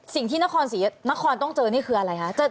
สิ่งที่นครศรีนครต้องเจอนี่คืออะไรคะ